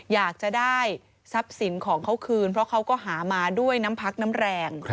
อยากจะได้ทรัพย์สินของเขาคืนเพราะเขาก็หามาด้วยน้ำพักน้ำแรง